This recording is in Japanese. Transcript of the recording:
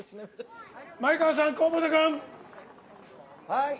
前川さん、河本君。